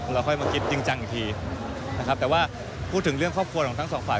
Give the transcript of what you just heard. เราค่อยมาคิดจริงจังอีกทีนะครับแต่ว่าพูดถึงเรื่องครอบครัวของทั้งสองฝ่าย